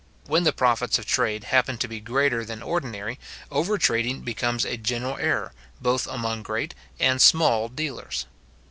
When the profits of trade happen to be greater than ordinary over trading becomes a general error, both among great and small dealers.